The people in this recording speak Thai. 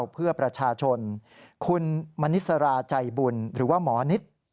เพื่อประชาชนคุณมณิสราใจบุญหรือว่าหมอนิด